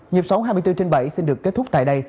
nhịp sống hai mươi bốn trên bảy xin được kết thúc tại đây